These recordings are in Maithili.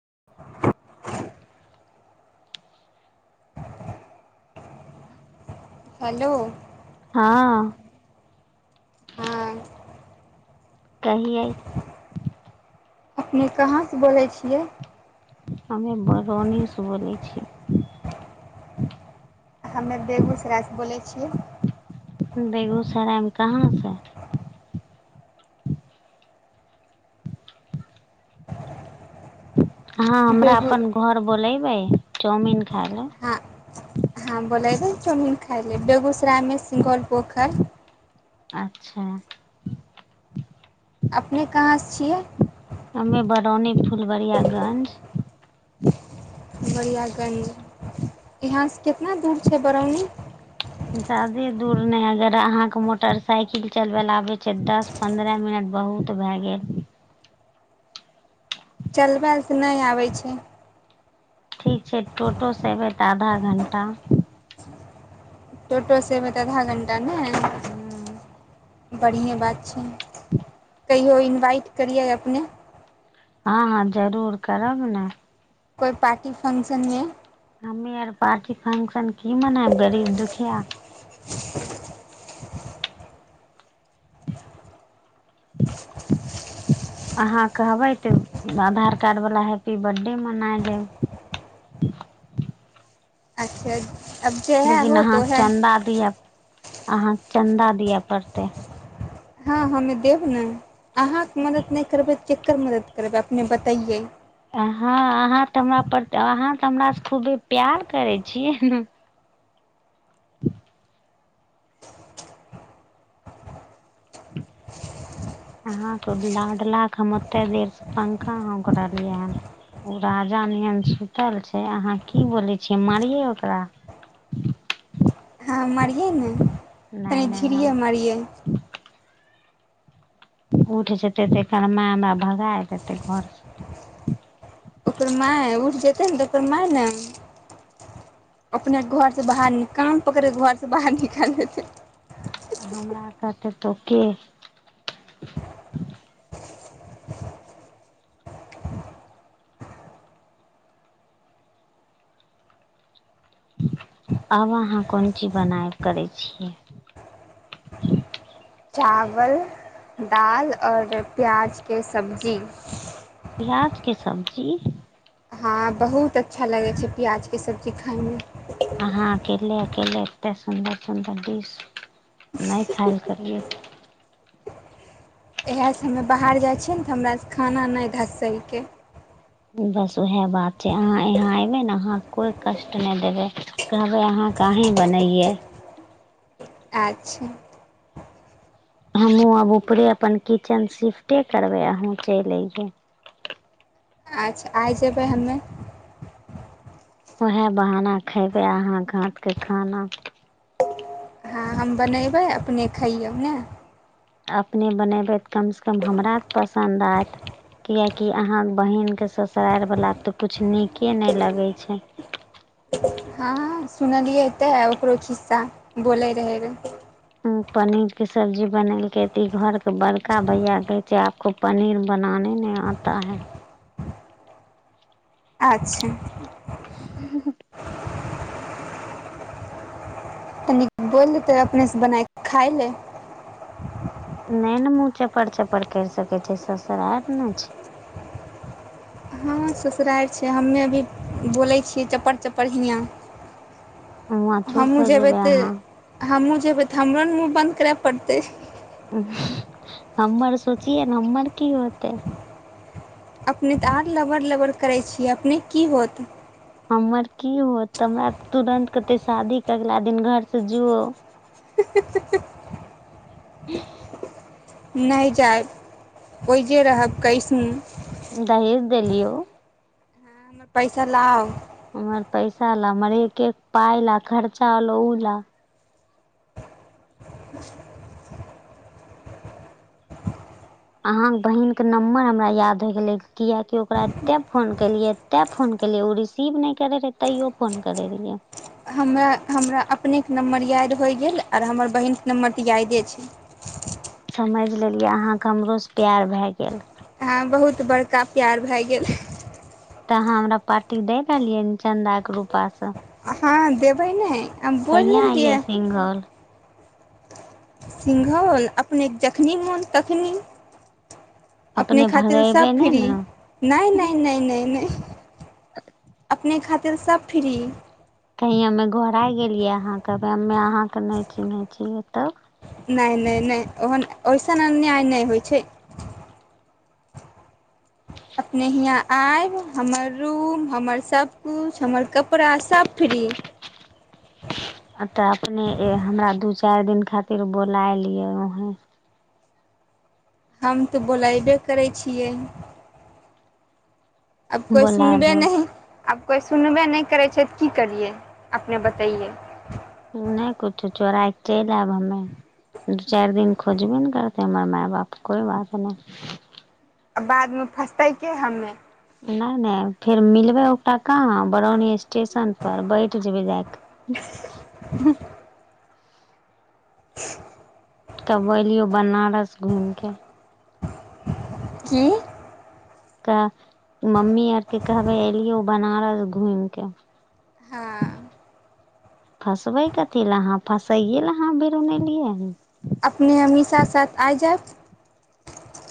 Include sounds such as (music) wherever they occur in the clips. (unintelligible) हेलो हँ हँ कहियै अपने कहाँसे बोलै छियै हमे बरौनीसे बोलै छियै हमे बेगूसरायसँ बोलै छियै बेगूसरायमे कहाँसँ ह हमरा बेगू अपन घर बोले बहि चाउमीन खायले हँ हँ बोलैबे चाउमीन खाइ लेल बेगूसरायमे सिगौल पोखरि अच्छा अपने कहाँसे छियै रानी फुलबरियागंज फूलबरियागंज यहाँसे कितना दूर छै बरौनी ज्यादे दूर नहि अगर अहाँके मोटरसाइकिल चलबय लेए आबै छै दस पन्द्रह मिनट बहुत भए गेल चलबयल तऽ नहि आबै छै ठीक छै टोटोसँ अयबै तऽ आधा घण्टा तोटोसे एबै तऽ आधा घण्टा आधा घण्टा हूँ नहि बढ़िएँ बात छै इहो इनवाइट करियै अपने हँ हँ जरूर करब ने कोइ पार्टी हमी आर पार्टी फंक्शन की मनेब गरीब दुखिया अहाँ कहबै तऽ आधार कार्ड बला हैप्पी बर्थडे मनाय लेब अच्छा अब जेहे लेकिन होत अहाँ ओहे चन्दा दीया अहाँके चन्दा दिअ पड़तै हँ हम्मे देब ने अहाँके मदति नहि करबै तऽ के ककर मदद करब अपने बतैयै हँ अहाँ तऽ हमरा पर अहाँ तऽ हमर से खूबे प्यार करै छियै ने अहाँके लाडला क हम ओते देरसँ पंखा हौंक रहलियै हन ओ राजा नियन सुतल छै अहाँ की बोलै छियै मारियै ओकरा हँ मरियौ ने नहि तनी नहि धिरिये हम मारियै उठ जेतै तऽ एकर माय हमरा भगाय देतै घरसँ ओकर माय उठि जेतै ने तऽ ओकर माँ ने अपने घरसँ बाहर कान पकड़ि के घरसँ बाहर निकाल लेतै हमरा आब अहाँ कोन चीज बनायल करै छियै चावल दालि आओर प्याजके सब्जी प्याज के सब्जी हँ बहुत अच्छा लागै छै प्याजके सब्जी खायमे अहाँ अकेले अकेले एतेक सुन्दर सुन्दर डिश नहि खायल करियै इएहसँ हमे बाहर जाइ छियै ने तऽ हमरासँ खाना नहि धँसैके बस उएह बात छै अहाँ यहाँ अयबै ने अहाँ कोइ कष्ट नहि देबै कहबै अहाँक अहीँ बनैयै अच्छा हमहूँ आब ऊपरे अपन किचेन शिफ्टे करबै अहूँ चलि अइयै अच्छा आइ जेबै हम्मे उएह बहा आ हम बनेबै अपने खइयौ ने अपने हँ सुनलियै तऽ ओकरो खिस्सा बोलै रहै रे पनीर की सब्जी बनेलकै तऽ घरके बड़का भैया कहै छैे आपको पनीर बनाने नहि आता है अच्छा हु हु हु (inaudible) तनि बोल लेतै अपनेसँ बना कऽ खाय ले नहि ने मुँह चपर चपर करि सकैत छै सासुरारि न छै हँ ससुरारि छै हम्मे अभी बोलै छियै चपर चपर हियाँ छै हुआँ चुप हमहुँ हो जेबै अहाँ तऽ हमहुँ जेबै तऽ हमरो ने मुँह बन्द करए पड़तै हमर सोचियै ने हमर की होतै अपने तऽ आर लबड़ लबड़ करै छियै अपनेक की होत हमर की होत तऽ हमरा तुरन्त कहतै शादी के अगिला दिन घर से जो ही ही (inaudible) ही ह (inaudible) नहि जायब ओहिजे रहब कैसहु दहिीज देली ओ मे पैसा लाउ हमर पैसा ला हमर एक एक पाय ला खर्चा होल ओ ला अहाँके बहिीनके नम्बर हमरा याद होय गेलै किियकि ओकरा एतेक फोन केलियै एतेक फोन केलियै ओ रिसीव नहि करैत रहै तैो फोन करैत रहियै हमरा हमरा अपनेके नम्बर याद होइ गेल आर हमर बहिनके नम्बर तऽ यादे छै समझि लेलिए अहाँके हमरोसँ प्यार भए गेल हँ बहुत बड़का प्यार भए गेल तऽ अहाँ हमरा पार्टी दए रहलियै चन्दाक के रूपासँ हँ देबै ने हम बोलि कहहिआाँ ने आइए रहियै सिघौल सिघौल अपनेके जखनि मोन तखनि अपने खातिर भगेबै सब नहि फ्री ने नहि नहि नहि नहि नहि अपने खातिर तेलस फ्री कही हमे घोर आ गेलियै अहाँके हमे अहाँके नहि चिन्है छियै तब नहि नहि नहि ओहन ओइसन अन्याय नहि होइ छै अपने हियाँ आब हमर रूम हमर सब कििछु हमर कप प्रराशफी तऽ अपने हमरा दू चारि दिन खातिर बुलायलियै वहें हम तऽ बोलयबे करै छियै अब कोइ बोलाय सुनबे लेब नहि आब कोइ सुनबे नहि करै छै तऽ की करियै अपने बतैै नहि किछो चोरा कऽ चलि आयब हमे दू चारि दिन खोजबे ने करतै हमर मााय बाप कोइ बात नहि आ बादमे फसतैके हमे नहि नहि फेर मिलबै ओटा कह बरौनी स्टेशन पर बैठ जेबै ज (inaudible) तब एलियौ बनारस घूमि कऽ की तऽ मम्मी आरके कहबै एलियै बनारस घूमि क हँ फसबै कथी लएहाँ फसैए ल अाँ भर उनलियै अपने हमी साथ साथ आ जायब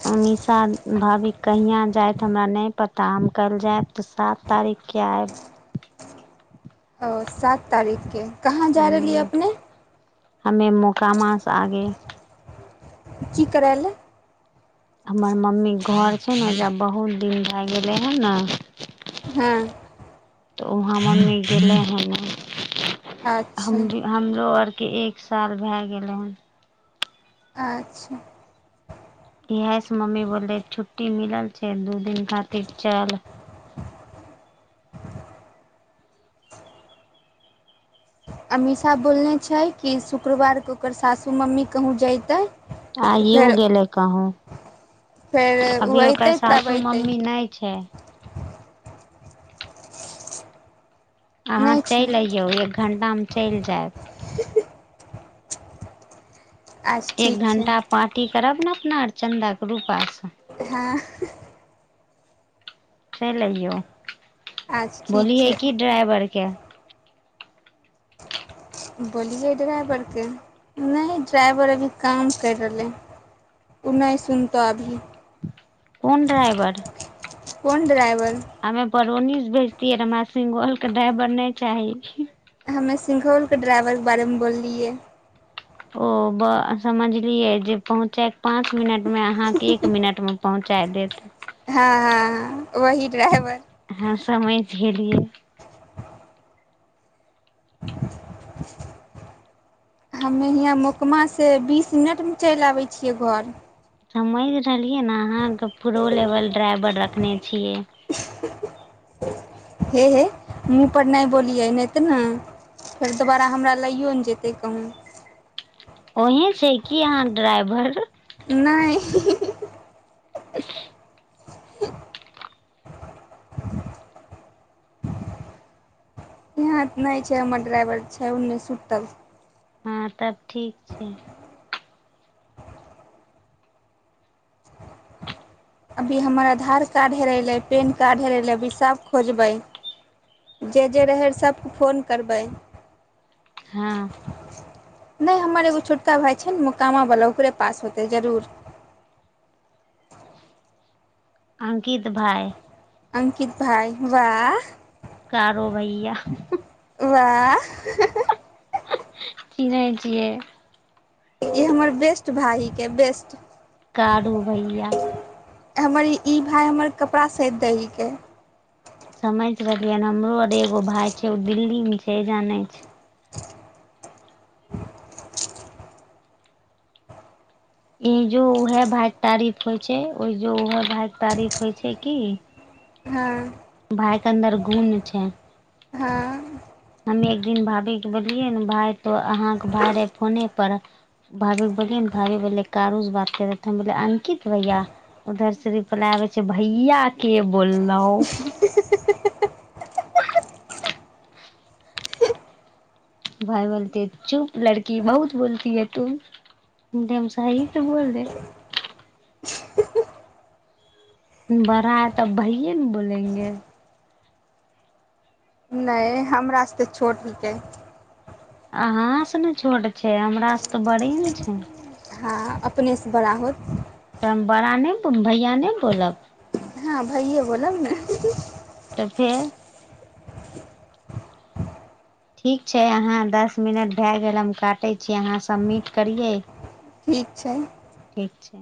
उमशा भाभी कहहिआँ जायत हमरा नहि पता हम काल्हि जायब तऽ सात तारीखके आयब सात तारीखके कहाँ जा रहलियै अपने हमे मोकामास आगे की करय ल हमर मम्मी घर छै ने जब बहुत दिन भए गेलै हन ने हँ तऽ उहाँ मम्मी गेलै हन अच्छा हम हम जो आर के एक साल भए गेलै हन अच्छा इहस मम्मी बोलले छुट्टी मिलल छै दू दिन खातिर चल अमीषा बोलने छै कि शुक्रवारके ओटीकर सासु मम्मी कहूँ जैतै आइओ गेलै कहू फेर ओ अभी ओकर अयतै तब सासू अयतै मम्मी नहि छै अहाँ नहि छै चलि अइयौ एक घण्टा दाम चलि जाय आज एक ठीक छै घण्टा पार्टी करब ने अपना आओर चन्दाके रूपासँ हँ चलइयो आज ठीक बोलिये छै की ड्राइवर के बोलियै ड्राइवरके नहि ड्राइवर अभी काम करि रहलै ओ नहि सुनतऽ अभी कोन ड्रइभर कोन ड्राइवर रोनी से भेजतीियऐ र सिोल के ड्राइवर नहि चाहीी हमे सिंघौलके ड्राइवरके बारेमे बोललियै ओ ब समझलियै जे पहुँचायके पाँच मिनटमे अहाँकेँ एक मिनटमे पहुँचा देत हँ हँ वही ड्राइवर झेलियै हमे हियाँ मकमासँ बीस मिनटमे चलि आबै छियै घर समझ रहलियै ने अहाँके प्रो लेवल ड्राइवर रखने छियै हे हे ममहँपर नहि बोलियै नहि तऽ ने फेर दोबारा हमरा लैओ ने जेतै कहूँ ओही छै किी अहाँ ड्राइभर नहि (inaudible) (inaudible) यहाँ नहि छै हमर ड्राइवर छै ओन्ने सुतल हँ तब ठीक छै अभी हमर आधार कार्ड हेरय रहै पैन कार्ड हेरय रहै अभी सभ खोजबै जे जे रहै सभकेँ फोन करबै हँ नहि हमर एगो छोटका भााय छै ने मकामावला ओकरे पास होतै जरूर अंकित भाय अंकित भई वाह करो भैय वाह ची नहि छियै ई हमर बेस्ट भाायके बेस्ट कडू भैया हमर ई भााय हमर कपड़ा सद दै हिकै समझ रहलियै हमरो आर एगो भााय छै ओ दिल्ली मे छै जानै छै ई जो उहे भायके तारीफ होइ छै ओ जो उह भाय के तारीफ होइ छै की हँ भाायक अन्दर गुन छै हँ ह एक दिन भाभी के बोलिये ने भाय तो अहाँके भाय रहे फोने पर भाभी के बोलिये भाभी बोलले कारू से बात करेो अंकित भैया उधर से रिप्लाई आबै छै भैया के बोललो भाय बोलते चुप लड़की बहुत बोलती है तू हम सी त बोल देे बड़ाै तऽ भैयए ने बोलेंगे नहि हमरासँ तऽ छोट हिकै अहा से ने छोट छै हमर से तऽ बड़ि ने छै हँ अपनेसँ बड़ा होत तऽ हम बड़ा ने भैया ने बोलब हँ भइे बोल ने तऽ फेर ठीक छै अहाँ दस मिनट भए गेल हम काटै छी अहाँ सबमिट करियै ठीक छै ठीक छै